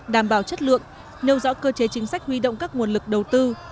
đảm bảo chất lượng nêu rõ cơ chế chính sách huy động các nguồn lực đầu tư